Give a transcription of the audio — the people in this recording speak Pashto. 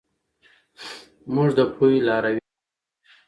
موږ د پوهې لارویان یو.